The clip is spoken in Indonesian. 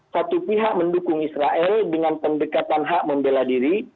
satu pihak mendukung israel dengan pendekatan hak membela diri